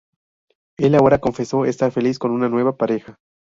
El ahora confeso estar feliz con una nueva pareja.